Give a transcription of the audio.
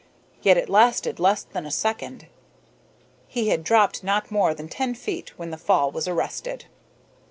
Yet it lasted less than a second. He had dropped not more than ten feet when the fall was arrested.